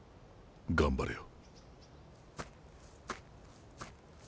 頑張れよ。